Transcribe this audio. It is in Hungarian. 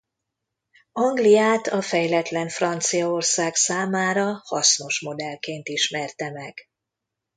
Angliát a fejletlen Franciaország számára hasznos modellként ismerte meg.